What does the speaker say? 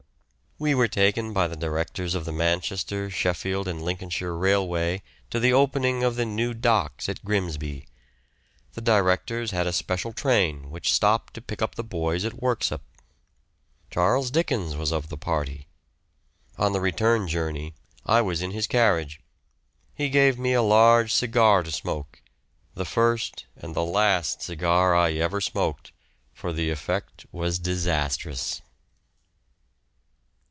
We were taken by the directors of the Manchester, Sheffield and Lincolnshire Railway to the opening of the new docks at Grimsby. The directors had a special train which stopped to pick up the boys at Worksop. Charles Dickens was of the party. On the return journey, I was in his carriage; he gave me a large cigar to smoke the first, and the last cigar I ever smoked, for the effect was disastrous.